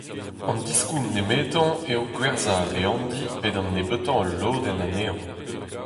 An diskoulm nemetañ eo gwerzhañ al leandi pe d'an nebeutañ ul lodenn anezhañ.